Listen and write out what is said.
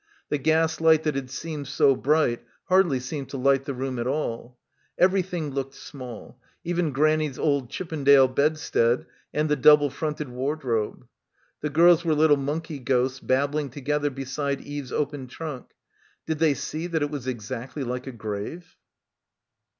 The gas light that had seemed so bright hardly seemed to light the room at all. Everything looked small, even Grannie's old Chippendale bedstead and the double fronted wardrobe. The girls were little monkey ghosts babbling together beside Eve's open trunk. Did they see that it was exactly like a grave?